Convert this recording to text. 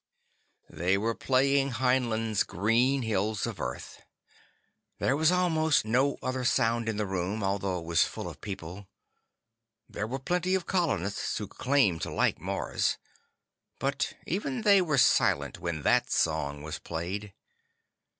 They were playing Heinlein's Green Hills of Earth. There was almost no other sound in the room, although it was full of people. There were plenty of colonists who claimed to like Mars, but even they were silent when that song was played.